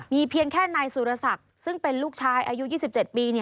เพียงแค่นายสุรศักดิ์ซึ่งเป็นลูกชายอายุ๒๗ปี